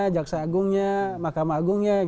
jaksa agungnya makam agungnya